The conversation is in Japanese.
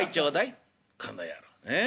「この野郎え？